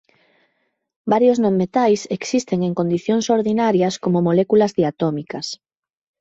Varios non metais existen en condicións ordinarias como moléculas diatómicas.